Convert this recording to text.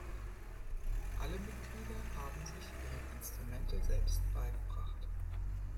Alle Mitglieder haben sich ihre Instrumente selbst beigebracht.